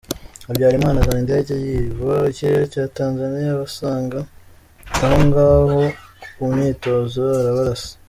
Habyarima azana indege yiba ikirere cya Tanzania abasanga aho ngaho ku myitozo arabarasa.